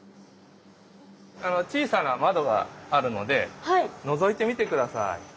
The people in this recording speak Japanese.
小さな窓があるのでのぞいてみて下さい。